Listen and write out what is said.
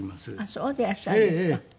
そうでいらっしゃいますか。